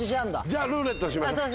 じゃあ「ルーレット」にしましょう。